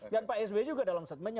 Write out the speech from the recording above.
dan pak sbe juga dalam statementnya